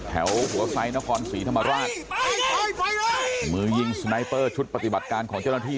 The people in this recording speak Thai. หัวไซดนครศรีธรรมราชมือยิงสไนเปอร์ชุดปฏิบัติการของเจ้าหน้าที่